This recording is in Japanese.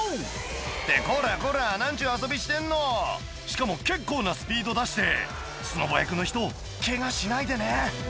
ってこらこら何ちゅう遊びしてんのしかも結構なスピード出してスノボ役の人ケガしないでね